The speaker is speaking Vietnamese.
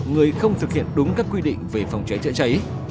người không thực hiện đúng các quy định về phòng cháy chữa cháy